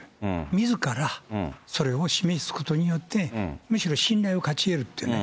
みずからそれを示すことによって、むしろ信頼を勝ち得るっていうね、